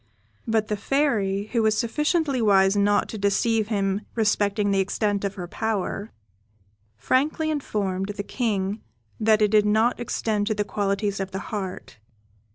But the Fairy, who was sufficiently wise not to deceive him respecting the extent of her power, frankly informed the King that it did not extend to the qualities of the heart.